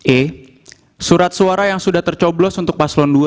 e surat suara yang sudah tercoblos untuk paslon dua